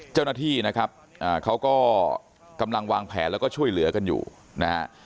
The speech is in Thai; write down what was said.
เจ้าหน้าที่นะครับเขาก็กำลังวางแผนแล้วก็ช่วยเหลือกันอยู่นะฮะ